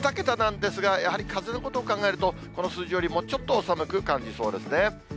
２桁なんですが、やはり風のことを考えると、この数字よりもちょっと寒く感じそうですね。